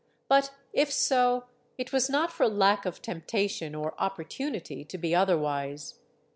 But if so, it was not for lack of temptation or opportunity to be otherwise.